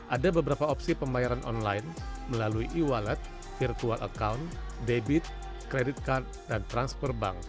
ada beberapa opsi pembayaran online melalui e wallet virtual account debit credit card dan transfer bank